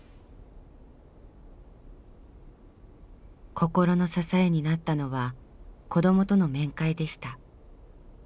心の支えになったのは子どもとの面会でした。